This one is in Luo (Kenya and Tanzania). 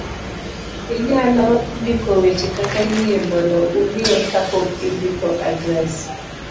inyalo ndiko weche kaka yie mondo umiye ka pok indiko adres